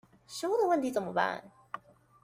食物的問題怎麼辦？